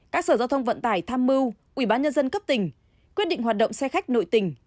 các sở giao thông vận tải tham mưu ubnd cấp tỉnh quyết định hoạt động xe khách nội tỉnh